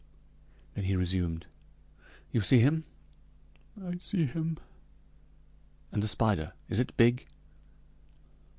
Then he resumed: "You see him?" "I see him " "And the spider is it big?"